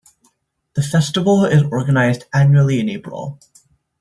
The festival is organized annually in April.